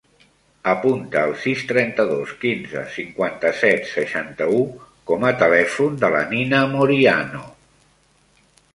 Apunta el sis, trenta-dos, quinze, cinquanta-set, seixanta-u com a telèfon de la Nina Moriano.